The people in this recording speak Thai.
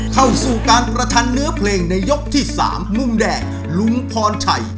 เข้าสู่การประชันเนื้อเพลงในยกที่๓มุมแดงลุงพรชัย